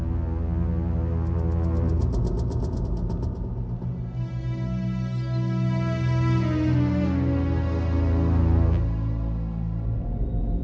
jangan lupa subscribe channel hansee tracking channel untuk mendapat informasi terbaru